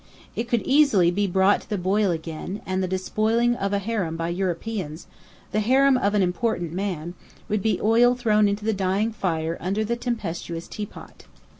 It could easily be brought to the boil again; and the despoiling of a harem by Europeans the harem of an important man would be oil thrown onto the dying fire under the tempestuous teapot.